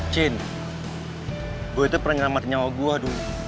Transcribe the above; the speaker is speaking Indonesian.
cin boy itu pernah nyelamat nyawa gue dulu